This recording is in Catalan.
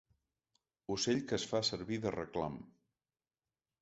Ocell que es fa servir de reclam.